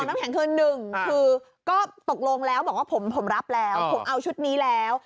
น้ำแข็งคือหนึ่งคือก็ตกลงแล้วบอกว่าผมรับแล้วผมเอาชุดนี้แล้ว